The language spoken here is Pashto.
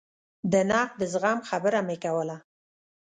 د نقد د زغم خبره مې کوله.